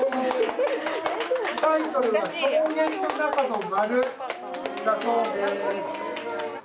タイトルは「草原の中の丸」だそうです。